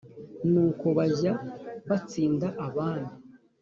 ni uko bajya batsinda abami